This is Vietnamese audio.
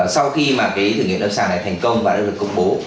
sau khi mà cái thử nghiệm lâm sàng này thành công và đã được công bố